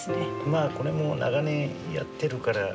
まあこれも長年やってるから。